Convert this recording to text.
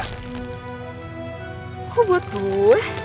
kok buat gue